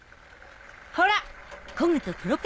ほら！